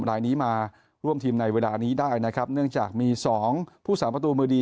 รายนี้มาร่วมทีมในเวลานี้ได้นะครับเนื่องจากมีสองผู้สามประตูมือดี